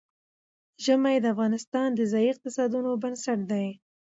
ژمی د افغانستان د ځایي اقتصادونو بنسټ دی.